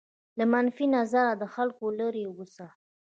له منفي نظره خلکو لرې واوسه.